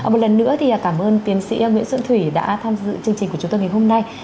một lần nữa thì cảm ơn tiến sĩ nguyễn xuân thủy đã tham dự chương trình của chúng tôi ngày hôm nay